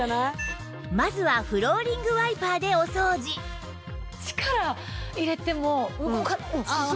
まずはフローリングワイパーでお掃除力入れても動かない。